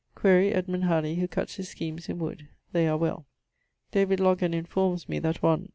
Edmund Halley who cutts his schemes in wood? they are well. Loggan informes me that one